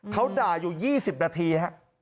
เขาด่าอยู่๒๐นาทีฮะ